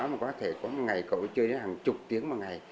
mà có thể có một ngày cẩu chơi đến hàng chục tiếng một ngày